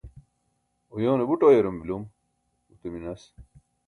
uyoone buṭ uyarum bilum gute minas